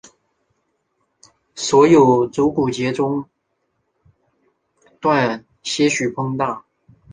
所有足股节中段些许膨大。